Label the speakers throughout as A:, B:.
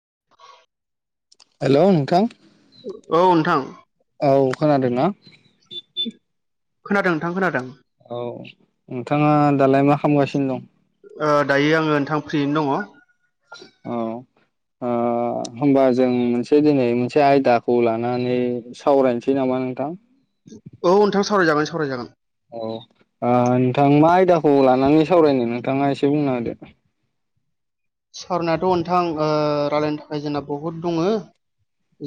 A: [inaudible]
B: Hello नोंथां
A: औ नोंथां।
B: औ खोनादोंना?
A: खोनादों नोंथां खोनादों।
B: औ नोंथाङा दालाय मा खालामगासिनो दं?
A: ओ दायो आङो नोंथां फ्रियैनो दङ।
B: अ अ होमबा जों मोनसे दिनै मोनसे आयदाखौ लानानै सावरायनोसै नामा नोंथां?
A: औ नोंथां सावरायजागोन सावरायजागोन।
B: औ नोंथां मा आयदाखौ लानानै सावरायनो नोंथाङा एसे बुंना होदो।
A: सावरायनायाथ' नोंथां रायलायनो थाखाय जोंना बहुद दङो।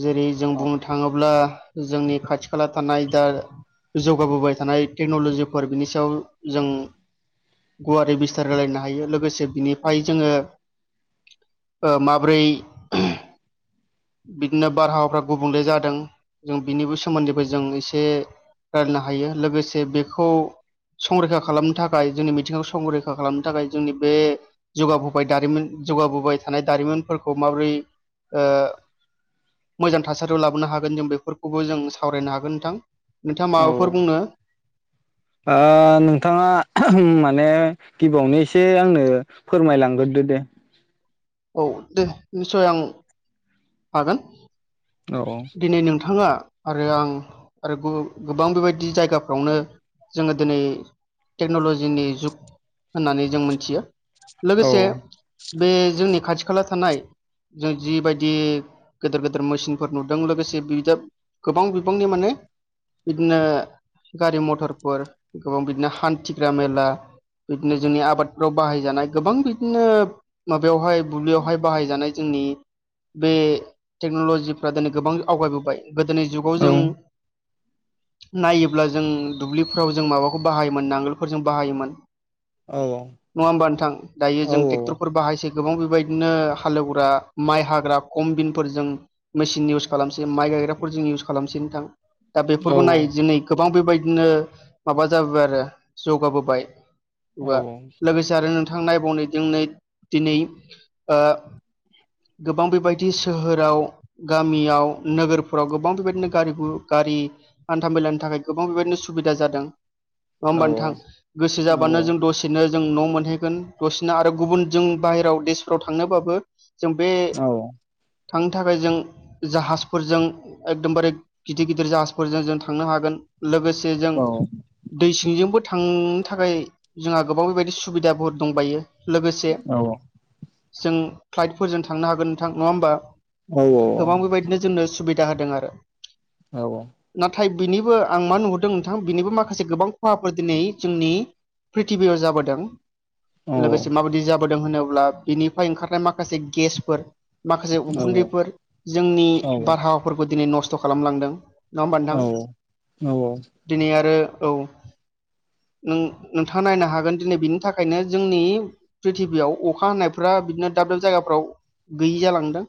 A: जेरै जों बुंनो थाङोब्ला जोंनि खाथि खाला थानाय दा जौगाबोबाय थानाय टेक्न'लजिफोर बिनि सायाव जों गुवारै बिस्थार होलायनो हायो लोगोसे बिनिफाय जोङो ओ माब्रै? बिदिनो बारहावाफ्रा गुबुंले जादों जों बिनिबो सोमोन्दैबो जों एसे रायलायनो हायो लोगोसे बेखौ संरैखा खालामनो थाखाय जोंनि मिथिंगाखौ संरैखा खालामनो थाखाय जोंनि बे जुगाबोबाय दारिमिन जौगाबोबाय थानाय दारिमिनफोरखौ माबोरै ओ मोजां थासारियाव लाबोनो हागोन जों बेफोरखौबो जों सावरायनो हागोन नोंथां। नोंथाङा
B: औ
A: माबाफोर बुंनो
B: ओ नोंथाङा माने गिबियावनो एसे आंनो फोरमायलांग्रोदो दे।
A: औ दे निसय आं हागोन।
B: औ
A: दिनै नोंथाङा आरो आं आरो गोबां बेबायदि जायगाफ्रावनो जोङो दिनै टेकनलजिनि जुग होननानै जों मोनथियो।
B: औ
A: लोगोसे बे जोंनि खाथि खाला थानाय जों जि बायदि गेदेर गेदेर मोसिनफो नुदों लोगोसे बि गोबां बिबांनि माने बिदिनो। गारि मथरफोर गोबां बिदिनो हान्थिग्रा मेला। बिदिनो जोंनि आबादफ्राव बाहायजानाय गोबां बिदिनो माबायावहाय बुब्लियावहाय बाहायजानाय जों नि बे टेकनलजि फ्रा दिनै गोबां आवगाय बोबाय गोदोनि जुगाव
B: औ
A: जों नायोब्ला जों दुब्लिफोराव जों माबाखौ बाहायोमोन नांगोलफोरजों बाहायोमोन।
B: औ
A: नङा होमबा नोंथां दायो
B: औ
A: जों ट्रेकटरफोर बाहायसै। गोबां बेबायदिनो हालेवग्रा माइ हाग्रा खमबिनफोरजों मेसिन इउस खालामसै माइ गायग्राफोर जों इउस खालामसै नोंथां दा
B: औ
A: बेफोरखौ नाय जि खो गोबां बे बायदिनो माबा जाबोबाय आरो जौगाबोबाय।
B: औ
A: लोगोसे आरो नोंथां नायबाव जों नै दिनै ओ गोबां बे बायदि सोहोराव गामियाव नोगोरफोराव गोबां बेबायदिनो गारि गारि हान्था मेलानि थाखाय गोबां बेबायदिनो सुबिदा जादों नङा
B: औ
A: होमबा नोंथां गोसो जाब्लानो जों दसेनो। जों न मोनहैगोन दसेनो आरो गुबुन जों बाहेरायाव देसफ्राव थांनोबाबो जों बे थांनो थाखाय जों जाहाजफोरजों एकदमबारे गिदिर गिदिर जाहाजफोरजों जों थांनो हागोन। लोगोसे जों
B: औ
A: दै सिंजोंबो थांनो थाखाय जोंहा गोबाव बेबायदि सुबिदाफोर दंबायो। लोगोसे
B: औ
A: जों फ्लाइटफोरजों थांनो हागोन नोंथां नङा होमबा।
B: औ
A: गोबां बे बायदिनो जोंनो सुबिदा होदों आरो।
B: औ
A: नाथाय बिनिबो आं मा नुहुरदों नोंथां बेनिबो माखासे गोबां खहाफोर दिनै जोंनि। प्रिृथिबियाव जाबोदों
B: औ
A: लोगोसे माबायदि जाबोदों होनोब्ला बिनिफ्राय ओंखारनाय माखास माखासे गेसफोर माखासे उखुन्दैफोर जोंनि बारहावाफोरखौ दिनै न खस्थ खालामलांदों नङा होमबा नोंथां दिनै आरो औ। नों नोंथाङा नायनो हागोन दिनै बिनि थाखायनो जोंनि प्रिृथिबियाव अखा हानायफ्रा बिदिनो दाब दाब जायगाफ्राव गैयि जालांदों।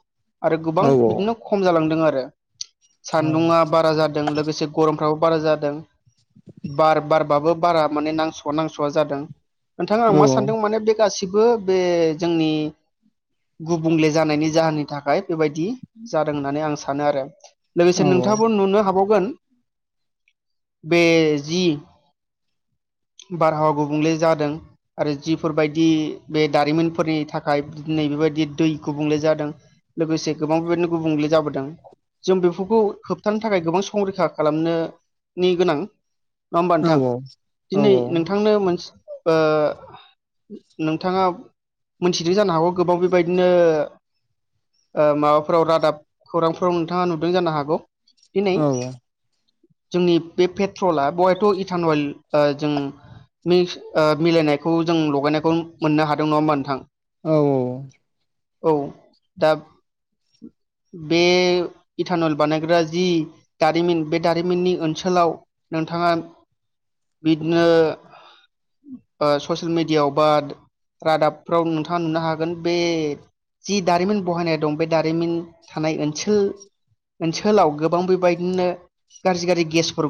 A: आरो गोबां बिदिनो खम जालांदों आरो सान्दुं बारा जादों लोगोसे गरम फ्राव बारा जादों बार बारबाबो बारा माने नांसवा नांसवा जादों। नोंथाङा आं
B: औ
A: मा सानदों माने बे गासिबो बो बे जोंनि गुबुंले जानायनि जाहोननि थाखाय। बेबायदि जादों होननानै आं सानो आरो लोगोसे नोंथाङाबो नुनो हाबावगोन। बे जि बारहावा गुबुंले जादों आरो जिफोर बायदि बे दारिमिनफोरनि थाखाय। नै बेबायदि दै गुबुंले जादों लोगोसे गोबां बेबायदिनो गुबुंले जाबोदों। जों बेफोरखौ होबथानो थाखाय गोबां संरैखा खालामनो नि गोनां। नङा होमबा नोंथां दिनै नोंथांनो ओ नोंथाङा मिथिदों जानो हागौ। गोबाव बेबायदिनो ओ माबाफोराव रादाब खौरांफोराव नोंथाङा नुदों जानो हागौ? दिनै जोंनि बे पेट्रला बेहायथ' इटानवइल ओ जों मिक्स ओ मिलायनायखौ जों लगायनायखौ मोननो हादों नङा होमबा मा नोंथां?
B: औ औ
A: औ दा बे इटानइल बानायग्रा जि दारिमिन बे दारिमिननि ओनसोलाव नोंथाङा
B: [inaudible]
A: बिदिनो ओ ससियेल मिडियायाव बा रादाबफ्राव नोंथाङा नुनो हागोन बे जि दारिमिन बहायनाय दं बे दारिमिन थानाय ओनसोल ओनसोलाव गोबां बेबायदिनो गाज्रि गाज्रि गेसफोर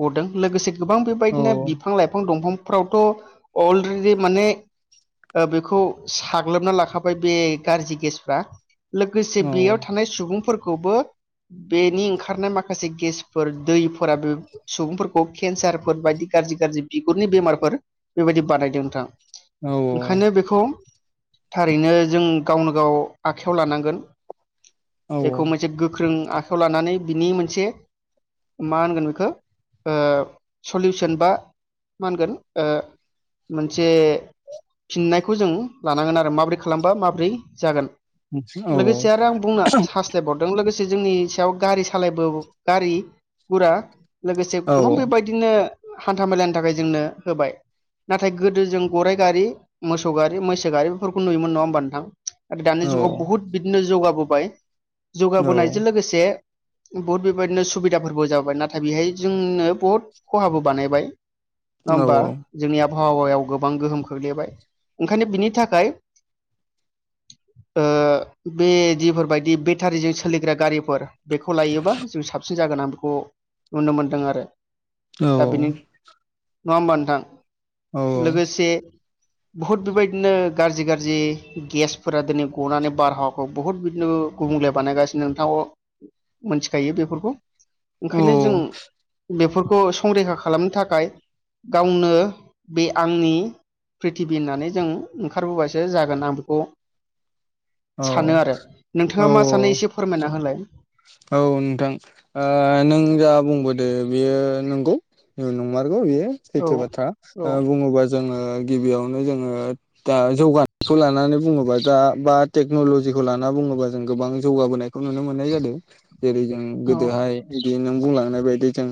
A: गदों लोगोसे गोबां बेबायदिनो बिफां लाइफां दंफांफ्रावथ' अलरेडि माने ओ बेखौ साग्लोबना लाखाबाय बे गाज्रि गेसफ्रा लोगोसे बेयाव थानाय सुबुंफोर खौबो बेनि ओंखारनाय माखासे गेसफोर दैफोरा बे सुबुंफोरखौ केन्सारफोर बायदि गाज्रि गाज्रि बिगुरनि बेमारफोर बेबायदि बानायदों नोंथां। ओंखायनो बेखौ थारैनो जों गावनो गाव आखाइयाव लानांगोन। बेखौ मोनसे गोख्रों आ खाइयाव लानानै बिनि मोनसे मा होनगोन बेखौ ओ सलिउसन बा मा होनगोन ओ मोनसे फिननायखौ जों लानांगोन आरो माबोरै खालामबा माबोरै जागोन। लोगोसे आरो आं बुंनो हास्थायबावदों लोगोसे से जोंनि सायाव गारि सालायबो गारि गुरा लोगोसे गोबां बेबाय दिनो हान्था मेलानि थाखाय जोंनो होबाय नाथाय गोदो जों गराइ गारि मोसौ गारि मैसो गारि बेफोरखौ नुयोमोन नङा होमबा नोंथां? आरो दानि जुगाव बहुत बिदिनो जौगाबोबाय जौगाबोनायजों लोगोसे बुहुत बेबायदिनो सुबिदाफोरबो जाबाय नाथाय बेहाय जोंनो बुहुत खहाबो बानायबाय नङा होमबा जोंनि आ बहावायाव गोबां गोहोम खोख्लैबाय ओंखायनो बिनि थाखाय ओ बेदि फोरबायदि बेटारिजों सोलिग्रा गारिफोर बेखौ लायोबा जों साबसिन जागोन आं बेखौ नुनो मोनदों आरो।
B: औ
A: दा
B: औ।
A: बेनि नङा होमबा नोंथां? लोगोसे बुहुत बेबायदिनो गाज्रि गाज्रि गेसफोरा दिनै गनानै बारहावाखौ बुहुत बिदिनो गुबुंले बानायगासिनो नोंथांखौ मोनथिखायो बेफोरखौ ओंखायनो जों बेफोरखौ संरैखा खालामनो थाखाय गावनो बे आंनि प्रिथिबि होननानै जों ओंखारबोबासो जागोन आं बेखौ सानो आरो नोंथाङा मा सानो एसे फोरमायना होलाय ।
B: औ नोंथां। ओ नों जा बुंबोदो बेयो नंगौ। नङमार नोंगौ बेयो
A: औ
B: सैथो बाथ्रा
A: औ
B: ओ बुङोबा जोङो गिबियावनो जोङो दा जौगानायखौ लानानै बुङोबा दा बा टेक्न'लजिखौ लाना बुङोबा जों गोबां जौगाबोनायखौ नुनो मोननाय जादों। जेरै- जों
A: औ
B: गोदोहाय बिदि नों बुंलांनाय बायदि जों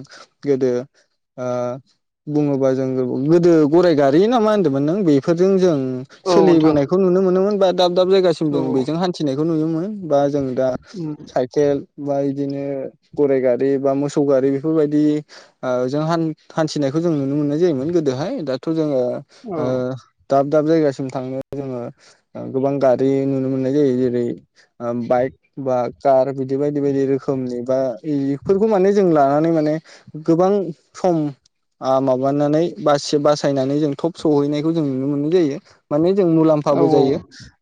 B: गोदो ओ बुङोबा जों गोदो गराइ गारि ना मा होन्दोंमोन नों बेफोरजों जों
A: औ नोंथां
B: सोलिबोनायखौ नुनो मोनोमोन बा दाब दाब जायगासिम
A: औ
B: जों बेजों हान्थिनायखौ नुयोमोन बा जों दा
A: औ
B: साइकेल बा इदिनो गराइ गारि बा मोसौ गारि बेफोरबायदि ओ जों हान् हान्थिनायखौ जों नुनो मोननाय जायोमोन गोदोहाय दाथ' जोङो
A: औ
B: ओ दाब दाब जायगासिम थांनो जोङो गोबां गारि नुनो मोननाय जायो जेरै बाइक बा कार बिदि बायदि बायदि रोखोमनि बा इफोरखौ माने जों लानानै माने गोबां सम आ माबानानै बासि बासायनानै जों थब सहैनायखौ जों नुनो मोननाय जायो। माने जों
A: औ
B: मुलाम्फाबो जायो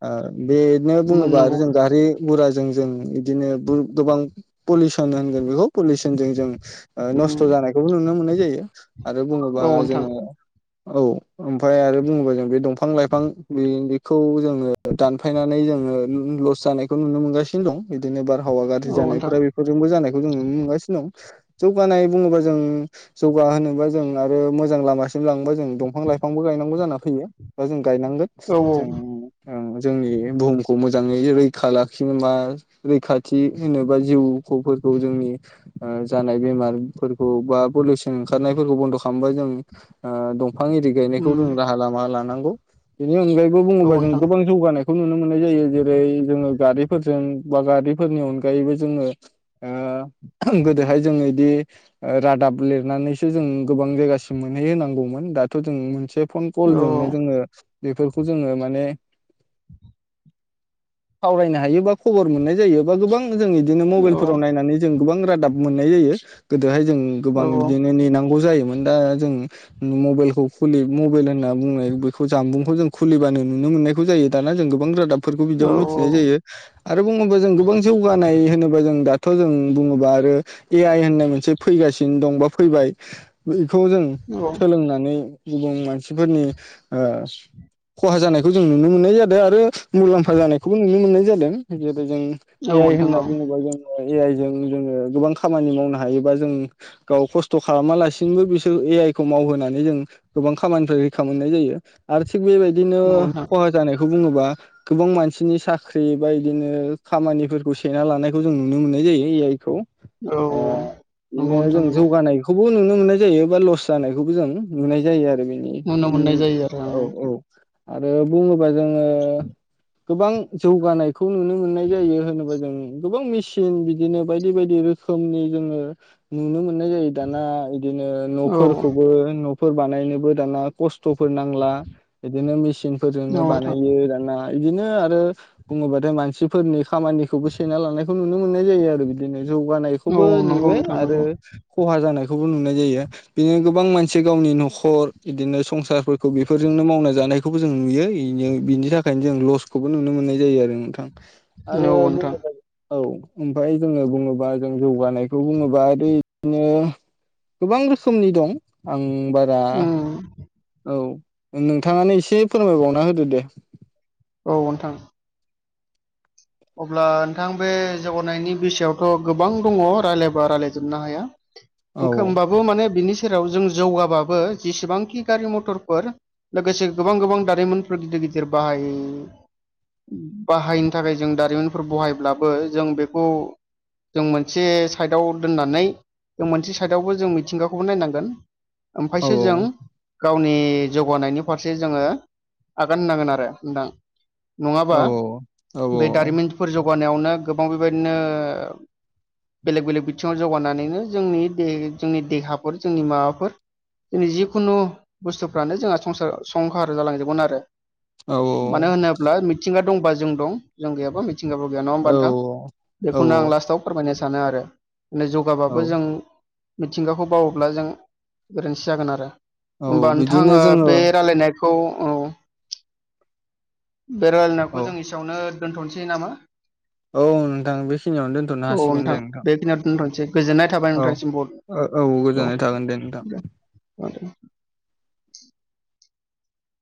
B: ओ बेनो बुङोबा आरो
A: नंगौ
B: जों गारि बुराजों जों बिदिनो गोबां पलिउसन होनगोन बेखौ पलिउसनजों जों नस्थ' जानायखौबो नुनो मोननाय जायो आरो
A: औ
B: बुङोबा
A: नोंथां
B: जोङो औ ओमफ्राय आरो बुङोबा जों बे दंफां लाइफां बे खौ जोङो दानफायनानै जोङो लस जानायखौ नुनो मोनगासिनो दं बिदिनो बार हावा गाज्रि
A: औ नोंथां
B: जानायफोरा बेफोरजोंबो जानायखौ जों नुनो मोनगासिनो दं जौगानाय बुङोबा जों जौगा होनोबा जों आरो मोजां लामासिम लांबा जों दंफां लाइफांबो गायनांगौ जानानै फैयो दा जों
A: औ औ
B: गायनांगोन जोंनि ओ बुहुमखौ मोजां मोजाङै रैखा लाखिनो मा रैखा थि होनोबा जिउफोरखौ जोंनि जानाय बेमारफोरखौ बा पलिउसन ओंखारनायफोरखौ बन्द' खालामबाय जों ओ दं फां एरि
A: उम,
B: गायनायखौ जों राहा लामा लानांगौ बेनि अनगायैबो
A: औ
B: बुङोबा जों
A: नोंथां
B: गोबां जौगानाय खौ नुनो मोननाय जायो जेरै जोङ गारिफोरजों बा गारि फोरनि अनगायैबो जोङो ओ गोदोहाय जोङ इदि ओ रादाब लिरनानै नानैसो जों गोबां जायगासिम मोनहै होनांगौमोन दाथ' जों मोनसे फन
A: औ
B: कलजोंनो जोङो बेफोरखौ जोङो माने सावरायनो हायो बा खबर मोननाय जायो गोबां जों इदिनो मबाइलफोराव नायनानै जों गोबां रादाब मोननाय जायो दोहाय जों गोबां बिदिनो नेनांगौ जायोमोन दा जों मबेलखौ खुलि मबेल होनना बुंनाय बेखौ जानुंखौ जों खुलिबानो नुनो मोन नायखौ जायो दाना जों गोबां राबफोरखौ
A: औ
B: बिदियावनो मिथिनाय जायो आरो बुङोबा जों गोबां जौगानाय होनोबा जों दाथ' जों बुङोबा आरो ए आइ होननाय मोनसे फैगासिनो दं बा फैबाय बेखौ जों
A: औ
B: सोलोंनानै गुबुन मानसिफोरनि ओ खहा जानायखौ जों नुनो मोननाय जादों आरो मुलाम्फा जानायखौबो नुनो मोननाय जादों जेरै जों एस आइ
A: नोंथां
B: होनना
A: औ
B: बुङोबा जों ए आइ जों जोङो गोबां खामानि मावनो हायोबा जों गाव खस्थ' खालामालासिनोबो बिसोर ए आइ खौ मावहोनानै जों गोबां खामानिफ्राय रैखा मोननाय जायो आरो थिग बेबायदिनो
A: औ नोंथां
B: खहा जानाय बुङोबा गोबां मानसिनि साख्रि बा इदिनो खामानिफोर सेना लानायखौ जों नुनो मोननाय जायो ए आइ खौ
A: औ
B: ओ
A: नंगौ
B: बिनो
A: नोंथां
B: जों
A: नंगौ
B: जौगानायखौबो नुनो मोननाय जायो बा लस जानायखौबो जों नुनाय जायो आरो बे
A: नुनो मोननाय जायो आरो
B: औ
A: आं
B: औ आरो बुङोबा जोङो गोबां जौगानायखौ नुनो मोननाय जायो होनोबा उम गोबां मेसिन बिदिनो बायदि बायदि रोखोमनि जोङो नुनो मोनो मोननाय जायो दाना इदिनो
A: औ औ
B: न'फोरखौबो फोर बानायनोबो दाना खस्थ'फोर नांला बिदिनो मिसिन फोरजोंनो
A: नोंथां
B: बानायो दाना इदिनो आरो बुङोबाथाय मानसिफोरनि खामानिखौबो से ना लानायखौ नुनो मोननाय जायो आरो बिदिनो
A: औ
B: जौगानायखौबो
A: नंगौ
B: नुयो
A: नोंथां
B: आरो
A: नंगौ
B: खहा जानायखौ बो नुनाय जायो बिदि गोबां मानसि गावनि न'खर बिदिनो संसारफोरखौ बेफोरजोंनो मावना ज नायखौबो जों नुयो इनि थाखायनो जों लसखौबो नुनो मोननाय जायो आरो नोंथां
A: औ
B: आरो
A: नोथां
B: बुङोबा औ ओमफफाय जोङो बुङोबा जों जौगानायखौ बुङोबा आरो इदिनो गोबां रोखोमनि दं आं बारा
A: उम
B: औ-नोंथाङानो एसे फोरमायबावना होदो दे।
A: औ नोंथां। अब्ला नोंथां बे जौगानायनि बिसायावथ' गोबां दङ। रायज्लायबा रायज्लायजोबनो हाया।
B: औ
A: ओंखोमबाबो माने बिनि सेराव जों जौगाबाबो जेसेबांखि गारि मथरफोर लोगोसे गोबां गोबां दारिमिनफोर गिदिर गिदिर बाहाय- बाहायनो थाखाय- जों दारिमिनफोर बहायब्लाबो जों बेखौ जों मोनसे साइडआव दोननानै, जों मोनसे साइडआवबो जों मिथिंगाखौबो नायनांगोन।
B: औ
A: ओमफ्रायसो जों गावनि जौगानायनि फारसे जोङो, आगान होननांगोन आरो नोंथां। नङाबा
B: औ औ
A: बे दारिमिनफोर जौगानायावनो गोबां बेबायदिनो बेलेग बेलेग बिथिङाव जौगानानैनो जोंनि दे जोंनि देहाफोर जोंनि माबाफोर जिखुनु बुस्थुफ्रानो जोंहा संसार संहार जालांजोबगोन आरो।
B: औ
A: मानो होनोब्ला मिथिंगा दंबा जों दं जों गैयाबा मिथिं मिथिंगाबो गैया नङा होमबा
B: औ
A: नोंथां
B: औ
A: बेखौनो आं लास्टाव फोरमायनो सानो आरो।
B: औ
A: जौगाबाबो जों मिथिंगाखौ बावोब्ला जों गोरोन्थि जागोन आरो।
B: औ
A: होमबा नोंथां
B: बिदिनो
A: ओ
B: जोङो
A: बे रायलायनायखौ ओ बेरायलायनायखौ
B: औ
A: जों इसेयावनो दोनथ'नोसै नामा
B: औ नोंथां बेखिनियावनो दोनथ'नो
A: औ
B: हासिगोन दे
A: नोंथां बेखिनियाव दोन्थ गोजोननाय थाबाय
B: औ
A: नोंथांनिसिम बुहुद
B: औ औ गोजोननाय थागोन दे नोंथां।
A: औ दे